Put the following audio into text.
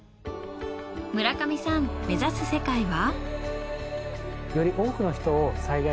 村上さん目指す世界は？